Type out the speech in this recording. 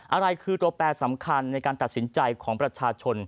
อะไรคือตัวแปรสำคัญในการตัดสินใจของประชาชน